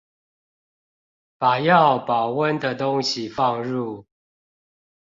把要保溫的東西放入